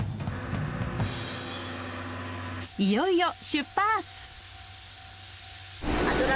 いよいよ出発！